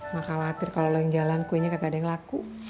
maka khawatir kalau lo yang jalan kuenya kagak ada yang laku